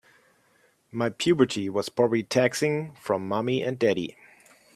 My puberty was probably taxing for mommy and daddy.